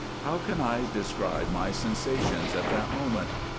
How can 1 describe my sensations at that moment